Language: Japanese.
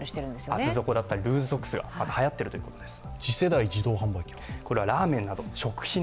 厚底だったりルーズソックスがはやっているということです。